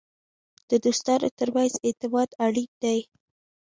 د دوستانو ترمنځ اعتماد اړین دی.